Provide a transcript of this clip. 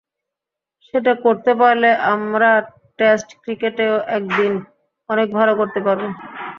সেটা করতে পারলে আমরা টেস্ট ক্রিকেটেও একদিন অনেক ভালো করতে পারব।